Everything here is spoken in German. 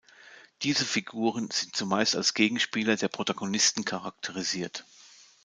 Diese Figuren sind zumeist als Gegenspieler der Protagonisten charakterisiert.